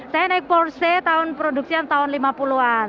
saya naik porsche tahun produksi yang tahun lima puluh an